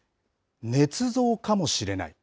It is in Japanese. ねつ造かもしれない。